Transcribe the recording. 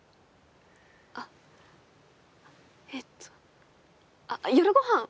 あえっとあっ夜ごはん